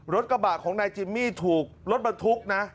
รถกระบะของนายจิมมี่ถูกรถบรรทุกนะ